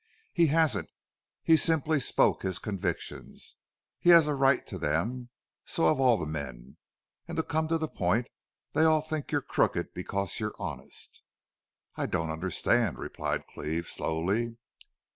"He hasn't. He simply spoke his convictions. He has a right to them. So have all the men. And, to come to the point, they all think you're crooked because you're honest!" "I don't understand," replied Cleve, slowly.